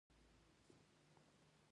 دا د فعالیتونو د ټاکلو او ارزیابۍ پروسه ده.